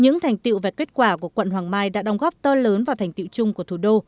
những thành tiệu và kết quả của quận hoàng mai đã đồng góp to lớn vào thành tiệu chung của thủ đô